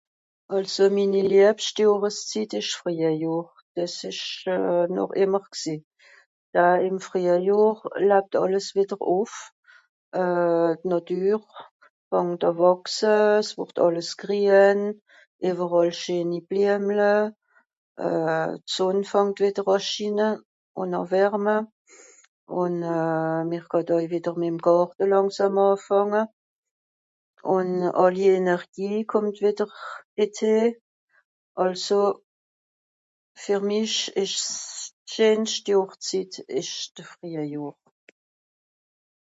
Àlso minni liebscht Johreszitt ìsch Friahjohr. Dìs ìsch euh... noch ìmmer gsìì, da ìm Friahjohr labt àlles wìdder ùff. Euh... d'Nàtür fàngt àà wàchse, s'wùrd àlles grien, ìweràl scheeni Bliemle, euh d'Sùnn fàngt wìdder àà schine, ùn au wärme, ùn euh mr kàt aui wìdder mì'm Gàrte làngsàm ààfànge. Ùn àlli Energie kùmmt wìdder (...). Àlso fer mich ìsch's... d'scheenscht Johrzitt ìsch de Friahjohr.